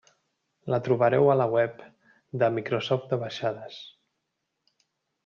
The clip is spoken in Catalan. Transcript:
La trobareu a la web de Microsoft de baixades.